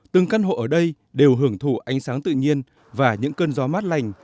từng căn hộ ở đây đều hưởng thụ ánh sáng tự nhiên và những cơn gió mát lành